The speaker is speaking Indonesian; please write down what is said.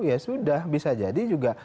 ya sudah bisa jadi juga